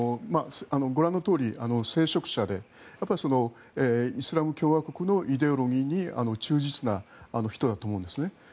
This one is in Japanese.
ご覧のとおり聖職者でイスラム共和国のイデオロギーに忠実な人だと思うんですね。